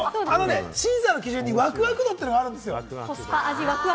審査の基準にわくわく度というのがあるんですよ。